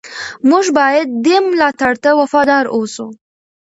موږ باید دې ملاتړ ته وفادار اوسو.